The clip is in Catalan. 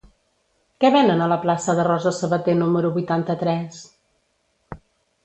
Què venen a la plaça de Rosa Sabater número vuitanta-tres?